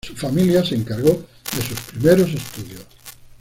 Su familia se encargó de sus primeros estudios.